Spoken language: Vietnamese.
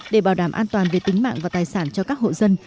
để bảo đảm an toàn về tính mạng và tài sản cho các hộ dân